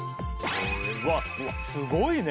わっすごいね！